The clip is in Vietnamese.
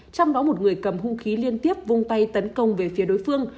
trong đó một người cầm hung khí liên tiếp vung tay tấn công về phía đối phương